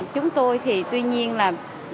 chúng tôi thì tuy nhiên là